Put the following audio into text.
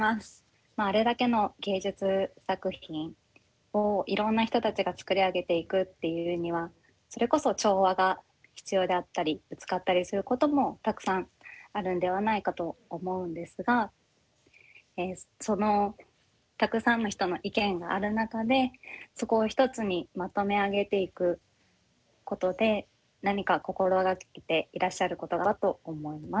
あれだけの芸術作品をいろんな人たちが作り上げていくっていうにはそれこそ調和が必要であったりぶつかったりすることもたくさんあるんではないかと思うんですがそのたくさんの人の意見がある中でそこを一つにまとめ上げていくことで何か心がけていらっしゃることだと思います。